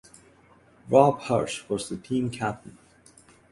Robb Hirsch was the team captain.